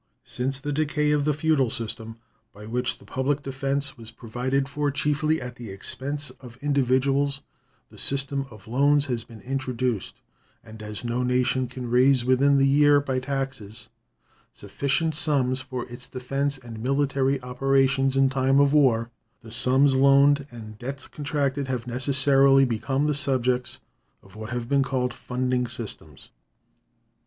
Since the decay of the feudal system, by which the public defense was provided for chiefly at the expense of individuals, the system of loans has been introduced, and as no nation can raise within the year by taxes sufficient sums for its defense and military operations in time of war the sums loaned and debts contracted have necessarily become the subjects of what have been called funding systems.